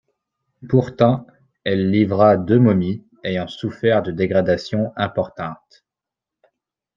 Pourtant, elle livra deux momies ayant souffert de dégradations importantes.